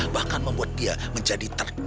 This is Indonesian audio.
bahkan membuat dia menjadi ternak